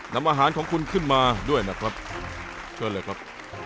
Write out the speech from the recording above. นำอาหารของคุณขึ้นมาด้วยนะครับเชิญเลยครับ